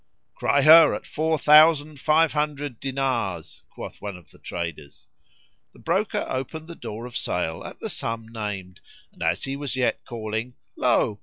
"Cry her at four thousand five hundred dinars," quoth one of the traders. The broker opened the door of sale at the sum named and, as he was yet calling, lo!